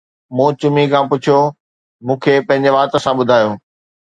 مون چمي کان پڇيو، مون کي پنهنجي وات سان ٻڌايو